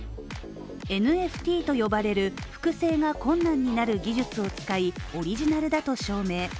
ＮＦＴと呼ばれる複製が困難になる技術を使い、オリジナルだと証明